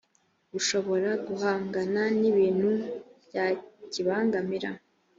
gushobora guhangana n ibintu byakibangamira